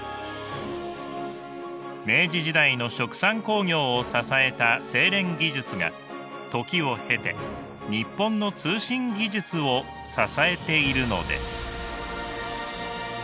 明治時代の殖産興業を支えた製錬技術が時を経て日本の通信技術を支えているのです。